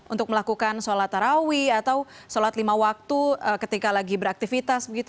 untuk melakukan sholat tarawih atau sholat lima waktu ketika lagi beraktivitas begitu